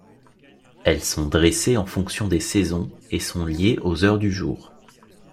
Elles sont dressées en fonction des saisons et sont liées aux heures du jour.